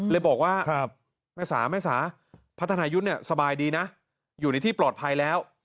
เลยบอกว่าแม่สาแม่สาพัฒนายุทธ์สบายดีนะอยู่ในที่ปลอดภัยแล้ว